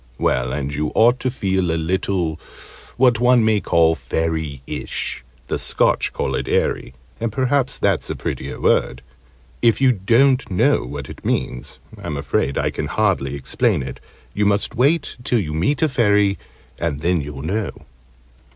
Well, and you ought to feel a little what one may call "fairyish " the Scotch call it "eerie," and perhaps that's a prettier word; if you don't know what it means, I'm afraid I can hardly explain it; you must wait till you meet a Fairy, and then you'll know.